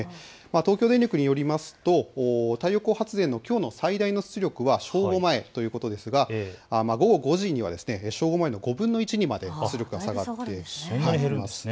東京電力によると太陽光発電のきょうの最大の出力は正午前ということですが午後５時には正午前の５分の１にまで出力が下がっているんです。